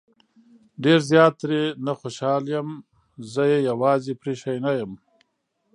ډېر زيات ترې نه خوشحال يم زه يې يوازې پرېښی نه يم